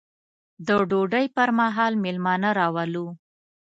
د ډوډۍ پر مهال مېلمانه راولو.